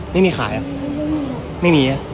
ไม่มีขายอ่ะ